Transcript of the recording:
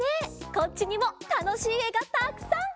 こっちにもたのしいえがたくさん！